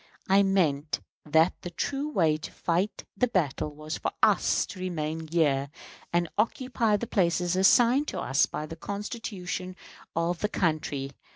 I meant that the true way to fight the battle was for us to remain here and occupy the places assigned to us by the Constitution of the country.